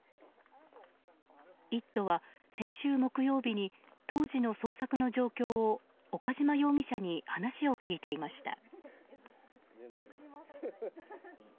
「イット！」は先週木曜日に当時の捜索の状況を岡島容疑者に話を聞いていました。